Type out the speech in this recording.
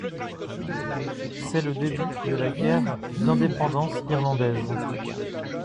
C'est le début de la guerre d'indépendance irlandaise.